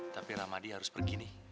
tapi ramadi harus pergi